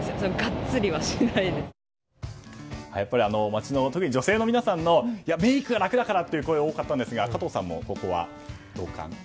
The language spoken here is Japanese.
街の、特に女性の皆さんのメイクが楽だからという声が多かったんですが加藤さんもここは同感？